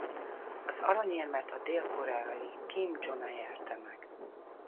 Az aranyérmet a dél-koreai Kim Jona nyerte meg.